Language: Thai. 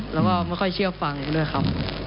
แล้วก็ไม่ค่อยเชื่อฟังอีกด้วยครับ